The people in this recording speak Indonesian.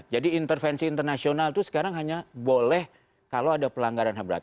jadi intervensi internasional itu sekarang hanya boleh kalau ada pelanggaran ham berat